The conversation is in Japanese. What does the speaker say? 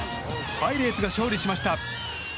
パイレーツが勝利しました。